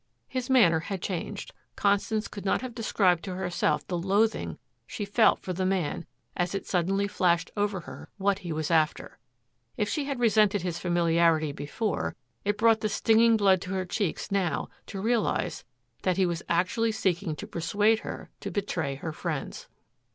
His manner had changed. Constance could not have described to herself the loathing she felt for the man as it suddenly flashed over her what he was after. If she had resented his familiarity before, it brought the stinging blood to her cheeks now to realize that he was actually seeking to persuade her to betray her friends.